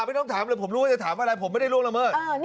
ไม่ต้องถามเลยผมรู้ว่าจะถามอะไรผมไม่ได้ล่วงละเมิด